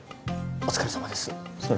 お疲れさまです。